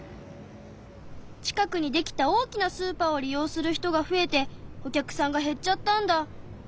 近くにできた大きなスーパーを利用する人が増えてお客さんが減っちゃったんだ。